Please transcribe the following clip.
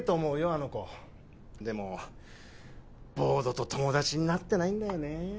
あの子でもボードと友達になってないんだよね